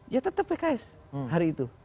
ya tetap pks hari itu